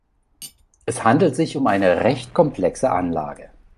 Es handelt sich um eine recht komplexe Anlage.